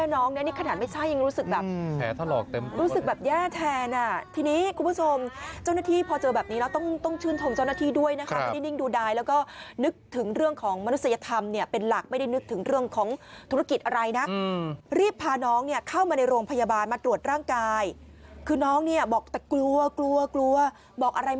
น้องขยับไม่ได้เดินไม่ได้ด้วย